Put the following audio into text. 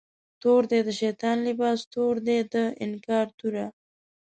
تور دی د شیطان لباس، تور دی د انکار توره